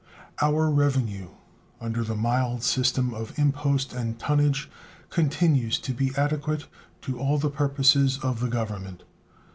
Our revenue under the mild system of impost and tonnage continues to be adequate to all the purposes of the Government.